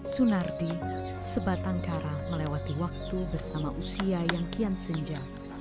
sunardi sebatang kara melewati waktu bersama usia yang kian senja